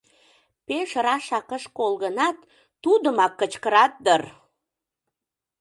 Пеш рашак ыш кол гынат, тудымак кычкырат дыр!